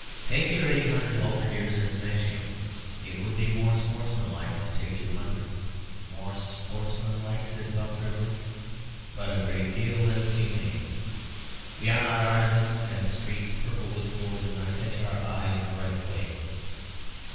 Take your eight hundred halberdiers and smash him. It would be more sportsmanlike to take two hundred." "More sportsmanlike," said Buck, grimly, "but a great deal less humane. We are not artists, and streets purple with gore do not catch our eye in the right way."